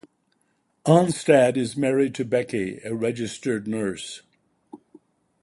Onstad is married to Becky, a registered nurse.